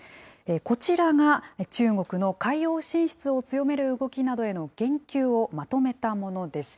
こちらが、中国の海洋進出を強める動きなどへの言及をまとめたものです。